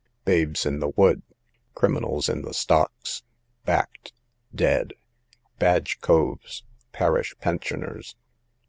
Babes in the Wood, criminals in the stocks. Back'd, dead. Badge Coves, parish pensioners.